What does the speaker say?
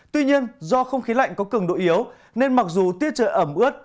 tuy nhiên do không khí lạnh có cường độ yếu nên mặc dù tiết trời ẩm ướt